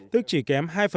tức chỉ kém hai